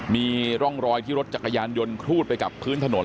มีร่องรอยที่รถจักรยานยนต์ครูดไปกับพื้นถนน